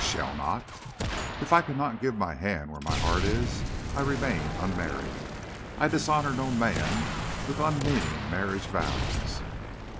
"Shall not?" "If I cannot give my hand where my heart is, I remain unmarried. I dishonor no man with unmeaning marriage vows."